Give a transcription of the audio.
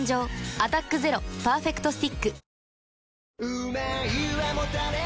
「アタックＺＥＲＯパーフェクトスティック」